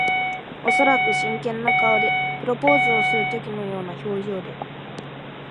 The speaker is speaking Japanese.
おそらく真剣な顔で。プロポーズをするときのような表情で。